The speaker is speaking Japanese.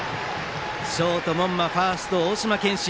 ショート、門間ファーストの大島健真。